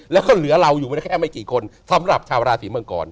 แล้วก็เหลือเราอยู่ไม่ได้แค่ไม่กี่คนสำหรับชาวราศีมังกร